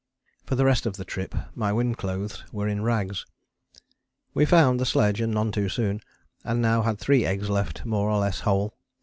For the rest of the trip my wind clothes were in rags. We found the sledge, and none too soon, and now had three eggs left, more or less whole.